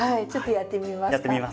やってみます。